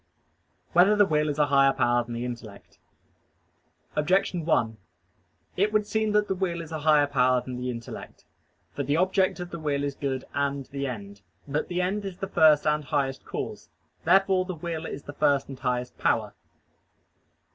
3] Whether the Will Is a Higher Power Than the Intellect? Objection 1: It would seem that the will is a higher power than the intellect. For the object of the will is good and the end. But the end is the first and highest cause. Therefore the will is the first and highest power.